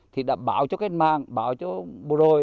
thì đã báo cho kết mạng báo cho bồ rồi